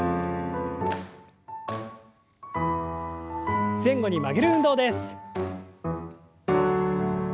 前後に曲げる運動です。